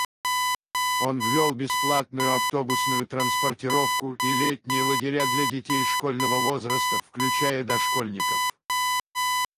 Он ввел бесплатную автобусную транспортировку и летние лагеря для детей школьного возраста, включая дошкольников.